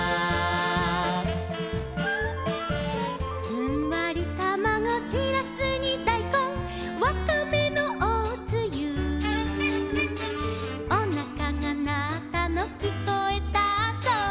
「ふんわりたまご」「しらすにだいこん」「わかめのおつゆ」「おなかがなったのきこえたぞ」